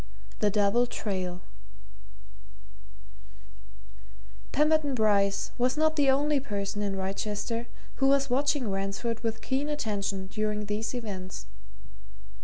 THE DOUBLE TRAIL Pemberton Bryce was not the only person in Wrychester who was watching Ransford with keen attention during these events.